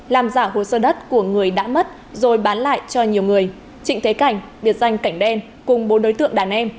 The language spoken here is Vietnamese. làm giả hồ sơ đất của người đã mất rồi bán lại cho nhiều người trịnh thế cảnh biệt danh cảnh đen cùng bốn đối tượng đàn em